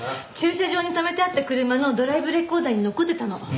駐車場に止めてあった車のドライブレコーダーに残ってたの。